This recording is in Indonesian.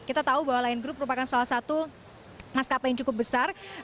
kita tahu bahwa lion group merupakan salah satu maskapai yang cukup besar